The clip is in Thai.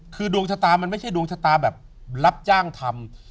คือดวงชะตามันไม่ใช่ดวงชะตาแบบรับจ้างทำ